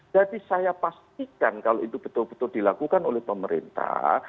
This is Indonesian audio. jadi saya pastikan kalau itu betul betul dilakukan oleh pemerintah